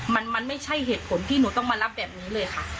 มันไม่ใช่เหตุผลที่หนูต้องมารับแบบนี้เลยค่ะ